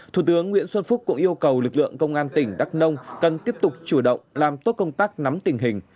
thủ tướng nguyễn xuân phúc cũng yêu cầu lực lượng công an tỉnh đắk nông cần tiếp tục chủ động làm tốt công tác nắm tình hình